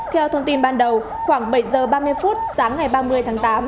theo thông tin ban đầu khoảng bảy giờ ba mươi phút sáng ngày ba mươi tháng tám